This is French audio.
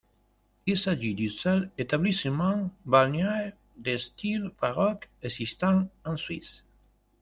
Il s'agit du seul établissement balnéaire de style baroque existant en Suisse.